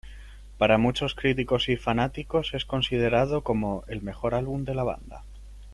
Para muchos críticos y fanáticos es considerado como el mejor álbum de la banda.